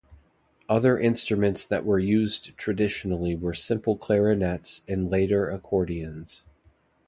Other instruments that were used traditionally were simple clarinets, and later accordions.